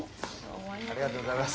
ありがとうございます。